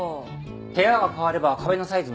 部屋が変われば壁のサイズも変わります。